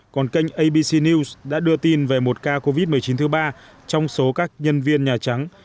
còn kênh abc news đã đưa tin về một ca covid một mươi chín thứ ba trong số các nhân viên nhà trắng